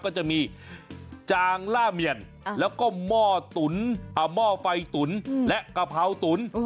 ก็จะมีจางล่าเมียนแล้วก็หม้อตุ๋นหม้อไฟตุ๋นและกะเพราตุ๋น